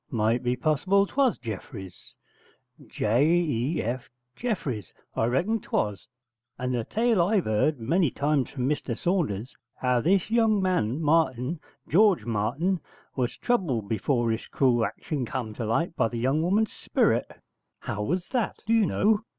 'Might be possible 'twas Jeffreys J e f Jeffreys. I reckon 'twas, and the tale I've 'eard many times from Mr Saunders, how this young man Martin George Martin was troubled before his crule action come to light by the young woman's sperit.' 'How was that, do you know?'